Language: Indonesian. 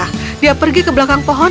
pus pergi ke belakang pohon